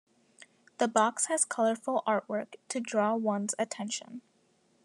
The box has colorful artwork to draw one's attention.